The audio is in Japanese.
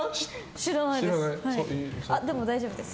知らないです。